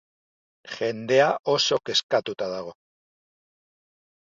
Jendea oso kezkatuta dago.